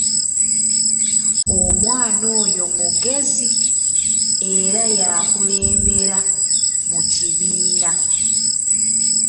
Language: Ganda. Omwana oyo mugezi era y’akulembera mu kibiina!